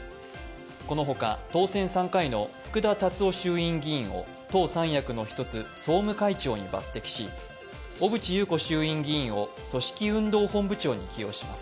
このほか当選３回の福田達夫衆院議員を党三役の一つ、総務会長に抜てきし小渕優子衆院議員を組織運動本部長に起用します。